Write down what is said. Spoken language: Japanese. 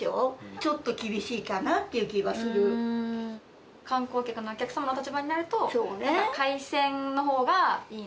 ちょっと厳しいかなっていう気が観光客のお客様の立場になると、それはそう思う。